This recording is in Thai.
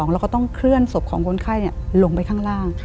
แล้วก็ต้องเคลื่อนศพของคนไข้ลงไปข้างล่าง